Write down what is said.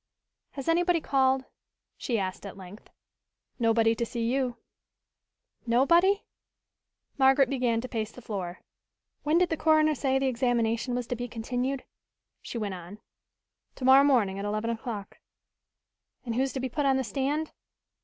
"Has anybody called?" she asked at length. "Nobody to see you." "Nobody?" Margaret began to pace the floor. "When did the coroner say the examination was to be continued?" she went on. "To morrow morning at eleven o'clock." "And who is to be put on the stand?"